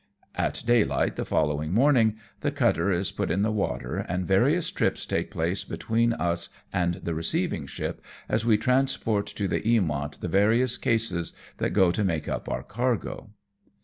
At daylight the following morning, the cutter is put in the water, and various trips take place between us 2<^^ AMONG TYPHOONS AND PIRATE CRAFT and the receiving ship, as we transport to the Eamont the various cases that go to make up our cargo.